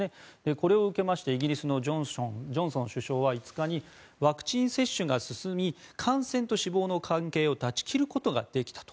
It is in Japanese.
これを受けましてイギリスのジョンソン首相は５日にワクチン接種が進み感染と死亡の関係を断ち切ることができたと。